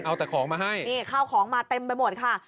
เอาแต่ของมาให้นี่ข้าวของมาเต็มไปหมดค่ะ